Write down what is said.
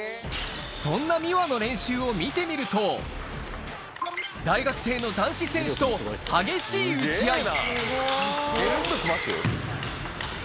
そんな美和の練習を見てみると大学生の男子選手と激しい打ち合い